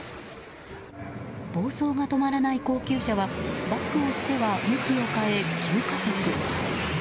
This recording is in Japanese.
暴走が止まらない高級車はバックをしては向きを変え急加速。